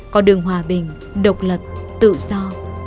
có đường hòa bình độc lập tự do